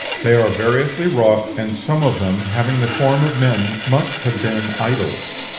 They are variously wrought, and some of them, having the form of men, must have been idols.